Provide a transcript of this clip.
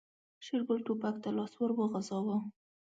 شېرګل ټوپک ته لاس ور وغځاوه.